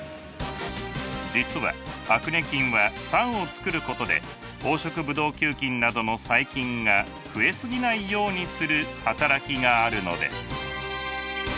実はアクネ菌は酸をつくることで黄色ブドウ球菌などの細菌が増え過ぎないようにする働きがあるのです。